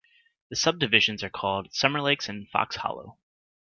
The subdivisions are called Summerlakes and Fox Hollow.